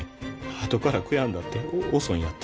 あとから悔やんだって遅いんやて。